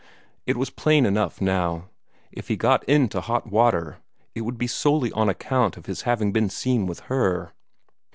It was plain enough now. If he got into hot water, it would be solely on account of his having been seen with her.